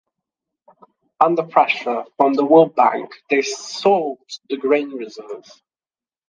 Under pressure from the world bank, they sold the grain reserve.